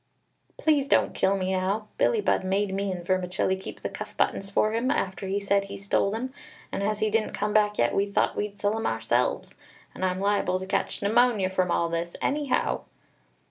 "Please don't kill me now. Billie Budd made me and Vermicelli keep the cuff buttons for him, after he said he stole them; and as he didn't come back yet, we thought we'd sell 'em ourselves. And I'm liable to catch pneumonia from all this, anyhow!"